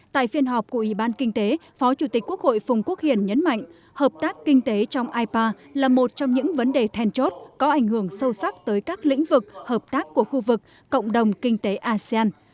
tại phiên họp của ủy ban kinh tế phó chủ tịch quốc hội phùng quốc hiền nhấn mạnh hợp tác kinh tế trong ipa là một trong những vấn đề then chốt có ảnh hưởng sâu sắc tới các lĩnh vực hợp tác của khu vực cộng đồng kinh tế asean